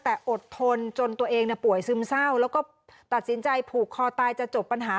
แต่อดทนจนตัวเองป่วยซึมเศร้าแล้วก็ตัดสินใจผูกคอตายจะจบปัญหา